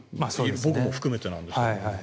僕も含めてなんですけど。